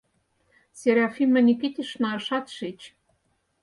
Серафима Никитична ышат шич.